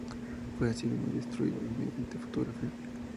Fue, asimismo, distribuido mediante fotografía.